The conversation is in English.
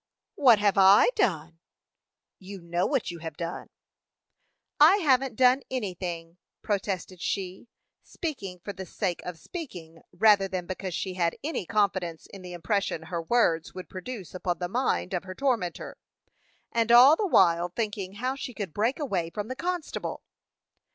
"What have I done?" "You know what you have done." "I haven't done anything," protested she, speaking for the sake of speaking, rather than because she had any confidence in the impression her words would produce upon the mind of her tormentor, and all the while thinking how she could break away from the constable.